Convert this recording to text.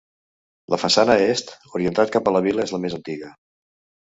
La façana est, orientat cap a la vila és la més antiga.